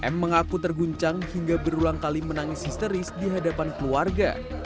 m mengaku terguncang hingga berulang kali menangis histeris di hadapan keluarga